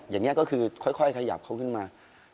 อย่างนี้ก็คือค่อยขยับเขาขึ้นมา